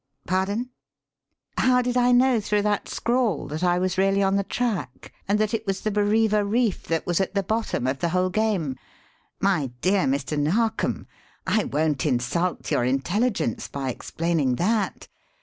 Pardon? How did I know through that scrawl that I was really on the track, and that it was the Bareva Reef that was at the bottom of the whole game? My dear Mr. Narkom, I won't insult your intelligence by explaining that.